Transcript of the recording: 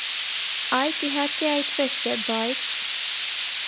- Այդ, իհարկե, այդպես է, բայց…